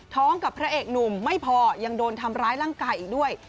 กับพระเอกหนุ่มไม่พอยังโดนทำร้ายร่างกายอีกด้วย